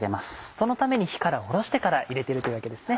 そのために火から下ろしてから入れてるというわけですね。